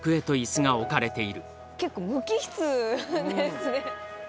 結構無機質ですね。